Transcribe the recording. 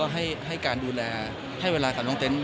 ให้การดูแลให้เวลากับน้องเต็นต